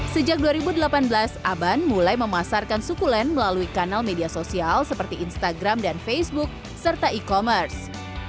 sejak dua ribu delapan belas aban mulai memasarkan suku len melalui kanal media sosial seperti instagram dan facebook serta e commerce